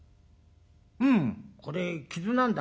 「うん。これ傷なんだ」。